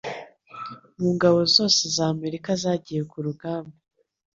mu ngabo zose z'Amerika zagiye ku rugamba